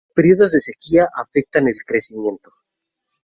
Los periodos de sequía afectan el crecimiento.